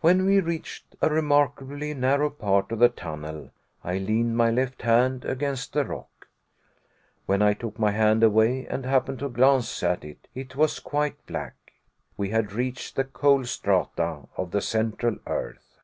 When we reached a remarkably narrow part of the tunnel, I leaned my left hand against the rock. When I took my hand away, and happened to glance at it, it was quite black. We had reached the coal strata of the Central Earth.